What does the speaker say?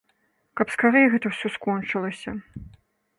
Каб скарэй гэта ўсё скончылася.